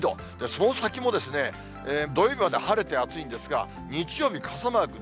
その先もですね、土曜日まで晴れて暑いんですが、日曜日、傘マーク。